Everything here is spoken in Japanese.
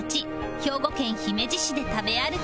兵庫県姫路市で食べ歩き